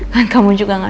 kan kamu juga gak sengaja